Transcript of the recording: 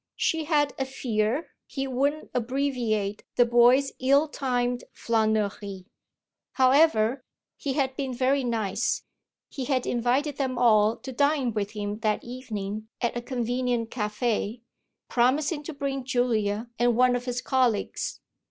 She had a fear he wouldn't abbreviate the boy's ill timed flânerie. However, he had been very nice: he had invited them all to dine with him that evening at a convenient café, promising to bring Julia and one of his colleagues.